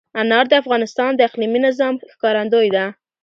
انار د افغانستان د اقلیمي نظام ښکارندوی ده.